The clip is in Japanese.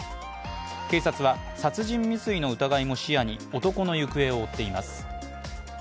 警察は殺人未遂の疑いも視野に男の行方を追っています。